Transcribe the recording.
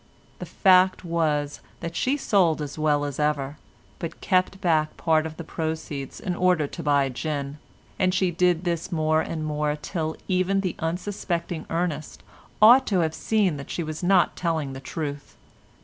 The fact was that she sold as well as ever, but kept back part of the proceeds in order to buy gin, and she did this more and more till even the unsuspecting Ernest ought to have seen that she was not telling the truth.